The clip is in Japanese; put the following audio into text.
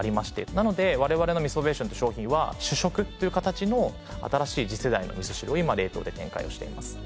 なので我々のＭＩＳＯＶＡＴＩＯＮという商品は主食という形の新しい次世代の味噌汁を今冷凍で展開をしています。